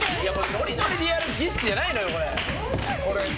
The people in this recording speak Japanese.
ノリノリでやる儀式じゃないのよ。